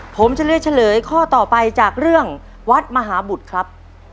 ผมจะเลือกเฉลยข้อต่อไปจากเรื่องวัดมหาบุตรครับ